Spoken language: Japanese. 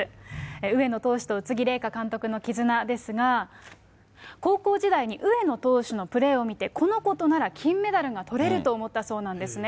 上野投手と宇津木麗華監督の絆ですが、高校時代に上野投手のプレーを見て、この子となら金メダルがとれると思ったそうなんですね。